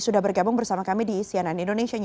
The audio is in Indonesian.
sudah bergabung bersama kami di sianan indonesia